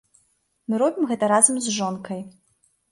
Мы робім гэта разам з жонкай.